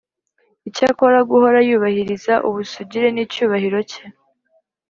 Icyakora guhora yubahiriza ubusugire n, icyubahiro cye.